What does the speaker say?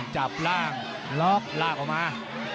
จับร่างลากออกมา